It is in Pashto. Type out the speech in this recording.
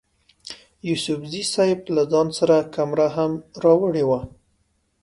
یوسفزي صیب له ځان سره کمره هم راوړې وه.